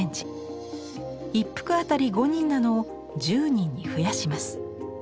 一幅当たり５人なのを１０人に増やします。